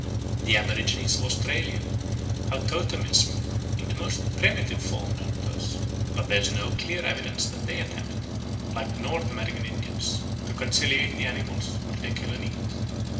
The aborigines of Australia have totemism in the most primitive form known to us; but there is no clear evidence that they attempt, like the North American Indians, to conciliate the animals which they kill and eat.